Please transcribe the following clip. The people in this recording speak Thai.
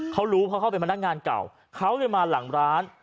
เขารู้เพราะเขาเป็นพนักงานเก่าเขาเลยมาหลังร้าน